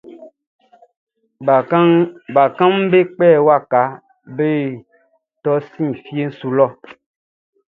Bakanʼm be kpɛ waka be tɔn si fie su lɔ.